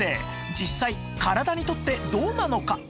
実際体にとってどうなのか？